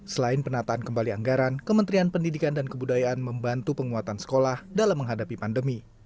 selain penataan kembali anggaran kementerian pendidikan dan kebudayaan membantu penguatan sekolah dalam menghadapi pandemi